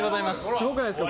すごくないですか？